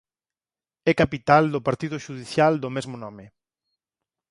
É capital do partido xudicial do mesmo nome.